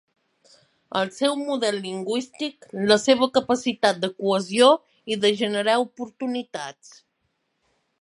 El seu model lingüístic, la seva capacitat de cohesió i de generar oportunitats.